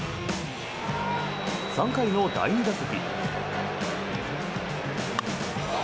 ３回の第２打席。